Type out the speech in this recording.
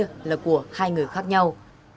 bia là của hai người khác nhau